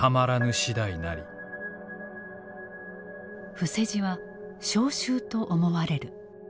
伏せ字は召集と思われる。